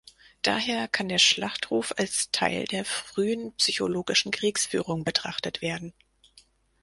Daher kann der Schlachtruf als Teil der frühen psychologischen Kriegsführung betrachtet werden.